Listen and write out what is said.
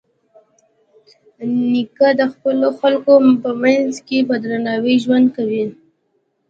نیکه د خپلو خلکو په منځ کې په درناوي ژوند کوي.